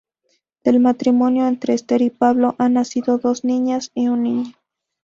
Del matrimonio entre Esther y Pablo han nacido dos niñas y un niño.